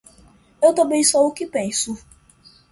Eu também sou o que penso.